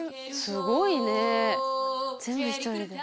すごいねえ全部１人で。